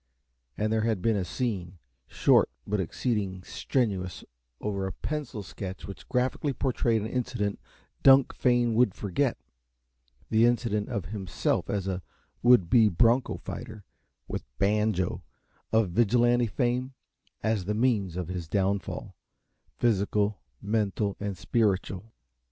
And there had been a scene, short but exceeding "strenuous," over a pencil sketch which graphically portrayed an incident Dunk fain would forget the incident of himself as a would be broncho fighter, with Banjo, of vigilante fame, as the means of his downfall physical, mental and spiritual.